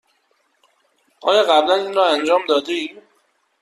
آیا قبلا این را انجام داده ای؟